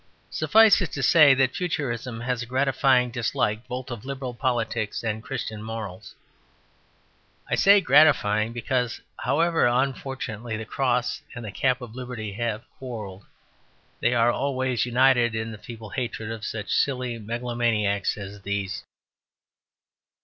Suffice it to say that Futurism has a gratifying dislike both of Liberal politics and Christian morals; I say gratifying because, however unfortunately the cross and the cap of liberty have quarrelled, they are always united in the feeble hatred of such silly megalomaniacs as these.